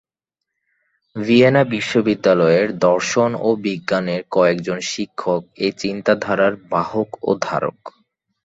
Vienna বিশ্ববিদ্যালয়ের দর্শন ও বিজ্ঞানের কয়েকজন শিক্ষক এ-চিন্তাধারার বাহক ও ধারক।